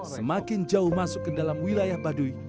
semakin jauh masuk ke dalam wilayah baduy